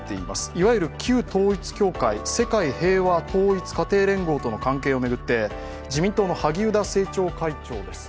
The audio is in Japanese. いわゆる旧統一教会、世界平和統一家庭連合との関係を巡って、自民党の萩生田政調会長です。